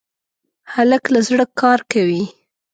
هلک له زړه کار کوي.